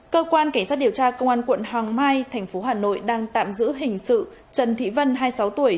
cơ quan cảnh sát điều tra công an quận hoàng mai thành phố hà nội đang tạm giữ hình sự trần thị vân hai mươi sáu tuổi